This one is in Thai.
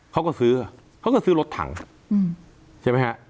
เขาก็ซื้อเขาก็ซื้อรถถังใช่ไหมฮะ